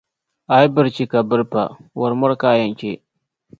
A yi biri chi, ka biri pa, wɔri mɔri ka a yɛn che.